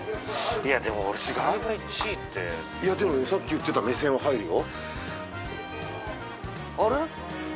いやでも俺これが１位っていやでもさっき言ってた目線は入るよ